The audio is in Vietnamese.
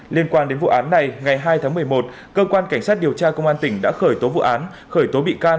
liên quan đến vụ án này ngày hai tháng một mươi một cơ quan cảnh sát điều tra công an tỉnh đã khởi tố vụ án khởi tố bị can